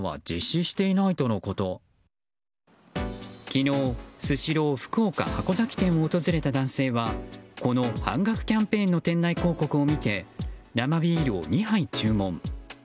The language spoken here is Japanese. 昨日、スシロー福岡箱崎店を訪れた男性はこの半額キャンペーンの店内広告を見て生ビールを２杯注文。